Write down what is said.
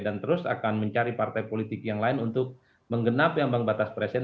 dan terus akan mencari partai politik yang lain untuk menggenap yang bang batas presiden